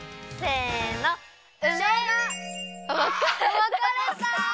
わかれた！